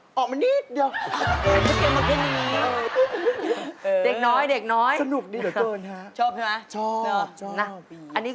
เสียบรรยาภาพ